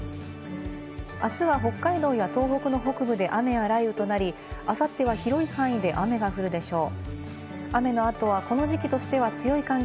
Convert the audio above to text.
あすは北海道や東北の北部で雨や雷雨となり、あさっては広い範囲で雨が降るでしょう。